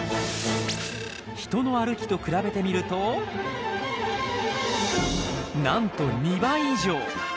人の歩きと比べてみるとなんと２倍以上。